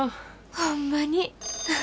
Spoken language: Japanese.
ホンマに。